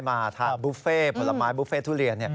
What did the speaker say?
มาทานบุฟเฟ่ผลไม้บุฟเฟ่ทุเรียน